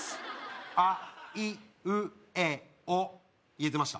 あいうえお言えてました？